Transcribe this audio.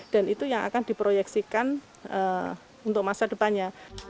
dan itu yang akan diproyeksikan untuk masa depannya